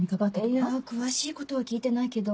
いや詳しいことは聞いてないけど。